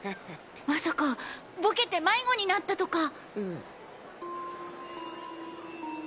まさかボケて迷子になったとか？